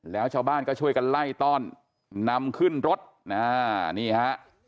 แล้วชาวบ้านก็ช่วยกันไล่ต้อนนำขึ้นรถอ่านี่ฮะ